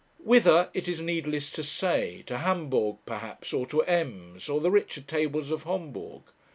Whither, it is needless to say to Hamburg perhaps, or to Ems, or the richer tables of Homburg.